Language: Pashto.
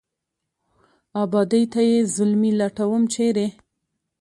آبادۍ ته یې زلمي لټوم ، چېرې ؟